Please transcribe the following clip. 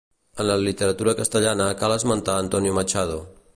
En la literatura castellana cal esmentar Antonio Machado.